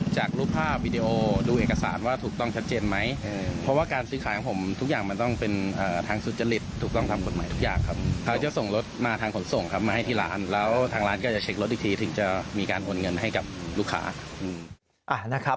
ใช่ครับเขาก็จะแอดไลน์มาแล้วก็ส่งรถส่งเอกสารมา